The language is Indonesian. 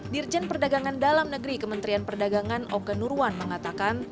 dirjen perdagangan dalam negeri kementerian perdagangan oke nurwan mengatakan